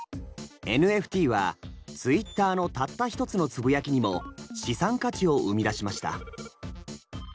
ＮＦＴはツイッターのたった一つのつぶやきにも資産価値を生み出しました。